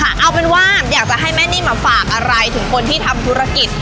เอาเป็นว่าอยากจะให้แม่นิ่มฝากอะไรถึงคนที่ทำธุรกิจ